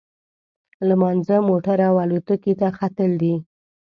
لمانځه، موټر او الوتکې ته ختل دي.